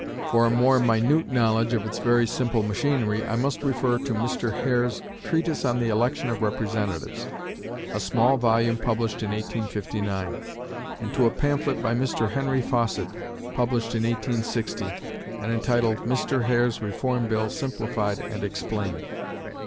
For a more minute knowledge of its very simple machinery, I must refer to Mr. Hare's "Treatise on the Election of Representatives" (a small volume Published in 1859), and to a pamphlet by Mr. Henry Fawcett, published in 1860, and entitled "Mr. Hare's Reform Bill simplified and explained."